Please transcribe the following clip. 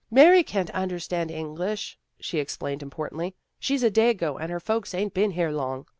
" Mary can't understand English," she ex plained importantly. " She's a dago and her folks ain't been here long.